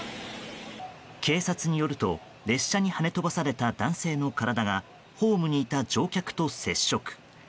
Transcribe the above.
警察によると列車にはね飛ばされた男性の体がホームにいた乗客と接触。